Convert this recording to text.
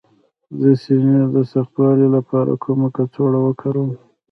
د سینې د سختوالي لپاره کومه کڅوړه وکاروم؟